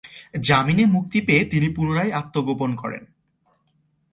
জামিনে মুক্তি পেয়ে তিনি পূনরায় আত্মগোপন করেন।